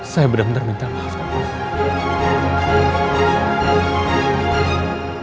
saya benar benar minta maaf pak